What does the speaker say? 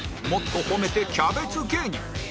もっとホメてキャベツ芸人